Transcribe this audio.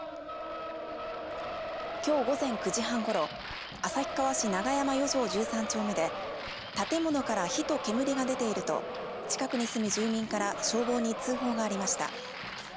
きょう午前９時半ごろ旭川市永山４条１３丁目で建物から火と煙が出ていると近くに住む住民から消防に通報がありました。